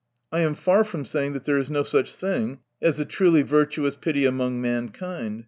I am far from saying, that there is no such thing as a truly vir tuous pity among mankind.